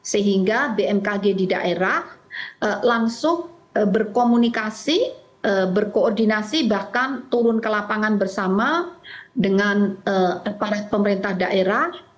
sehingga bmkg di daerah langsung berkomunikasi berkoordinasi bahkan turun ke lapangan bersama dengan para pemerintah daerah